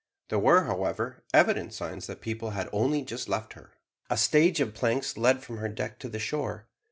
There were, however, evident signs that people had only just left her. A stage of planks led from her deck to the shore.